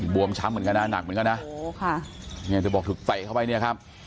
บวมช้ำเหมือนกันนะหนักเหมือนกันนะบอกถึงใส่เข้าไปเนี่ยครับ